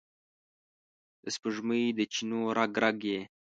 د سپوږمۍ د چېنو رګ، رګ یې،